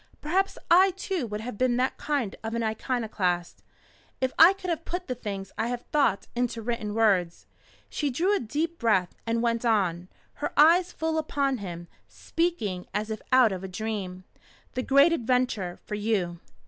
"Perhaps I, too, would have been that kind of an iconoclast if I could have put the things I have thought into written words." She drew a deep breath, and went on, her eyes full upon him, speaking as if out of a dream. "The Great Adventure for you.